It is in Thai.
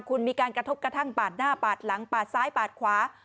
คุณมีการกระทบกระทั่งปาดหน้าปาดหลังปาดซ้ายปาดขวา